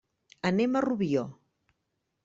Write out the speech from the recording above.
Anem a Rubió.